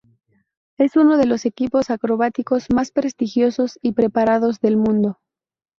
Es uno de los equipos acrobáticos más prestigiosos y preparados del mundo.